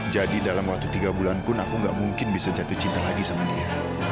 dalam waktu tiga bulan pun aku nggak mungkin bisa jatuh cinta lagi sama dia